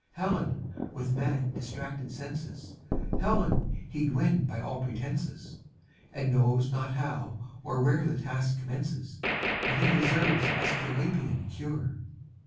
Helen, with mad, distracted senses, Helen he'd win by all pretences, And knows not how or where the task commences; Bnt he deserves the Esculapian cure.